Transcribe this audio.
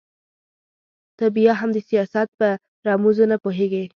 ته بيا هم د سياست په رموزو نه پوهېږې.